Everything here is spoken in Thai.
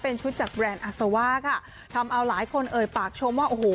เป็นชุดจากแบรนด์อาซาว่าค่ะทำเอาหลายคนเอ่ยปากชมว่าโอ้โห